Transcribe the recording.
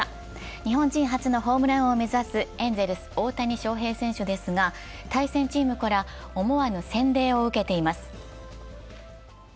日本人初のホームラン王を目指すエンゼルス・大谷翔平選手ですが対戦チームから思わぬ洗礼を受けています。